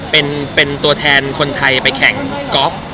เป็นตัวแทนคนไทยไปแข่งกอล์ฟ